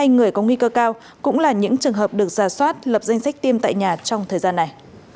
nguy cơ cao cũng là những trường hợp được ra soát lập danh sách tiêm tại nhà trong thời gian này